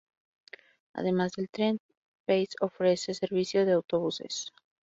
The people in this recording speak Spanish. Además del tren, Pace ofrece servicio de autobuses.